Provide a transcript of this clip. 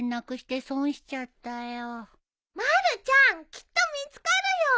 まるちゃん！きっと見つかるよ。